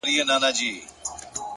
مـــقـــبري ته دي راغلـــي يمــه پلاره